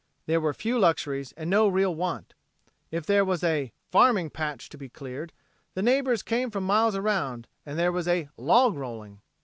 There were few luxuries and no real want. If there was "a farming patch" to be cleared, the neighbors came from miles around and there was a "log rolling."